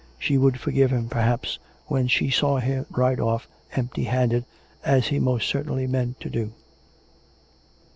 She would forgive him, perhaps, when she saw him ride off empty handed, as he most certainly meant to do.